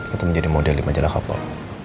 itu menjadi model di majalah kapal